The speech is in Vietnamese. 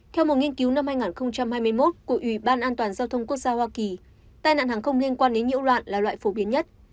theo một nghiên cứu năm hai nghìn hai mươi một của ủy ban an toàn giao thông quốc gia hoa kỳ tai nạn hàng không liên quan đến nhiễu loạn là loại phổ biến nhất